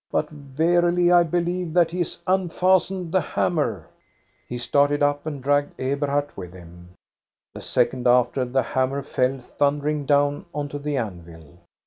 But. verily, I believe that he has unfastened the hammer." He started up and dragged Eberhard with him. The second after the hammer fell thundering down onto the anvil.